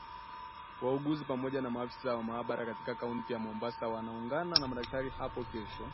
wauguzi pamoja na maafisa wa mahabara katika kaunti ya Mombasa wataungana na madaktari hapo kesho